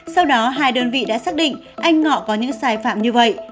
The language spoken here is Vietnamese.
sau đó hai đơn vị đã xác định anh ngọ có những sai phạm như vậy